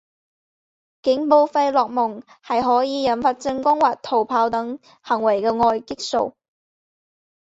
警报费洛蒙是可以引发进攻或逃跑等行为的外激素。